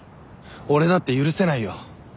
俺だって許せないよ。